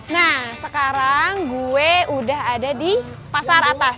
nah sekarang gue udah ada di pasar atas